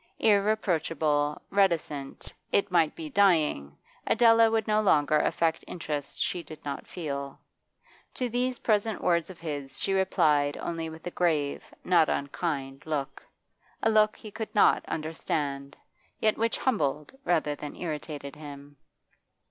Irreproachable, reticent, it might be dying, Adela would no longer affect interests she did not feel. To these present words of his she replied only with a grave, not unkind, look; a look he could not under stand, yet which humbled rather than irritated him.